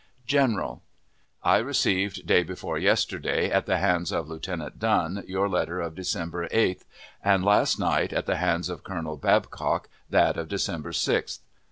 GENERAL: I received, day before yesterday, at the hands of Lieutenant Dunn, your letter of December 8d, and last night, at the hands of Colonel Babcock, that of December 6th.